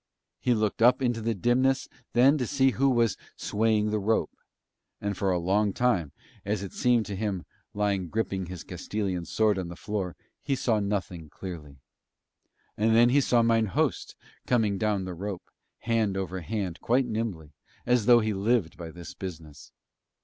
He looked up into the dimness then to see who was swaying the rope; and for a long time, as it seemed to him lying gripping his Castilian sword on the floor he saw nothing clearly. And then he saw mine host coming down the rope, hand over hand quite nimbly, as though he lived by this business.